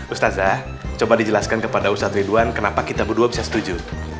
ustazah coba dijelaskan kepada ustadz ridwan kenapa kita berdua bisa setuju